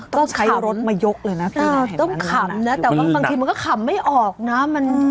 ต้องใช้รถมายกเลยนะต้องขำนะแต่ว่าบางทีมันก็ขำไม่ออกนะ